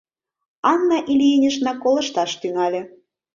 Анна Ильинична колышташ тӱҥале...